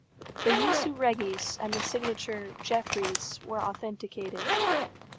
The jussu regis and the signature Jeffreys were authenticated.